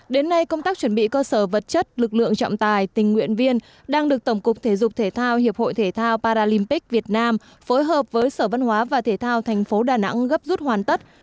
đến nay công tác chuẩn bị cơ sở vật chất lực lượng trọng tài tình nguyện viên đang được tổng cục thể dục thể thao hiệp hội thể thao paralympic việt nam phối hợp với sở văn hóa và thể thao thành phố đà nẵng gấp rút hoàn tất